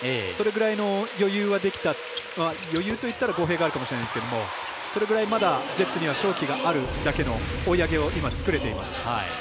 それぐらいの余裕はできた余裕といったら語弊があるかもしれませんけどそれぐらい、まだジェッツには勝機があるだけの追い上げを今、作れています。